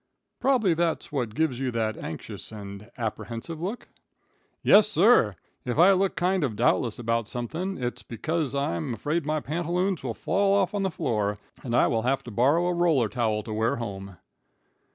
"Probably that's what gives you that anxious and apprehensive look?" "Yes, sir. If I look kind of doubtless about something, its because I'm afraid my pantaloons will fall off on the floor and I will have to borrow a roller towel to wear home."